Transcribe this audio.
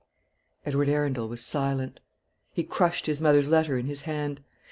Edward Arundel was silent. He crushed his mother's letter in his hand.